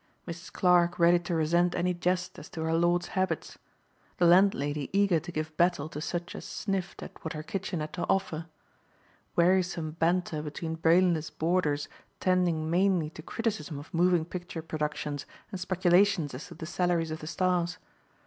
Mrs. Clarke ready to resent any jest as to her lord's habits. The landlady eager to give battle to such as sniffed at what her kitchen had to offer. Wearisome banter between brainless boarders tending mainly to criticism of moving picture productions and speculations as to the salaries of the stars.